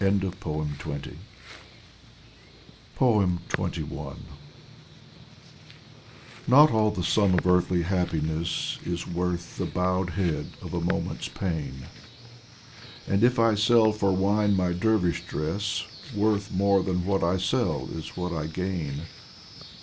XXI NOT all the sum of earthly happiness Is worth the bowed head of a moment's pain, And if I sell for wine my dervish dress, Worth more than what I sell is what I gain